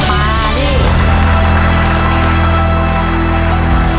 มานี่